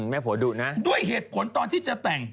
แม่ผัวดุนะด้วยเหตุผลตอนที่จะแต่ง